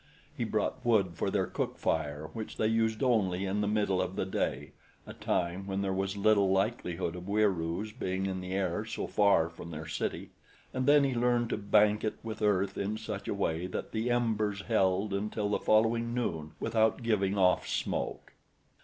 He brought wood for their cook fire which they used only in the middle of the day a time when there was little likelihood of Wieroos being in the air so far from their city and then he learned to bank it with earth in such a way that the embers held until the following noon without giving off smoke.